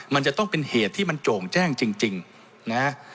มันจะต้องเป็นเหตุที่มันโจ่งแจ้งจริงนะฮะ